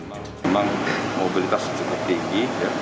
memang mobilitas cukup tinggi